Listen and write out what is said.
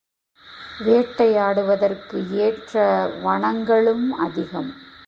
வேட்டையாடுவதற்கு ஏற்ற வனங்களும் அதிகம்.